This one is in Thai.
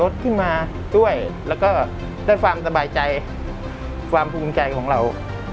ขึ้นมาด้วยแล้วก็ได้ความสบายใจความภูมิใจของเรา